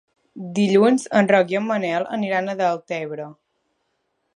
Dilluns en Roc i en Manel aniran a Deltebre.